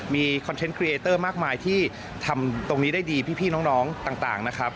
มีคอนเทนต์ครีเอเตอร์มากมายที่ทำตรงนี้ได้ดีพี่น้องต่างนะครับ